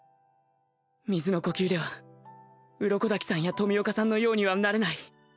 水の呼吸では鱗滝さんや冨岡さんのようにはなれない